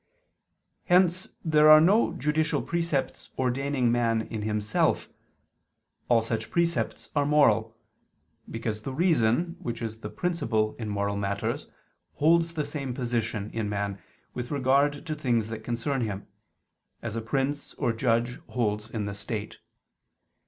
Hence there are no judicial precepts ordaining man in himself; all such precepts are moral: because the reason, which is the princip[le] in moral matters, holds the same position, in man, with regard to things that concern him, as a prince or judge holds in the state.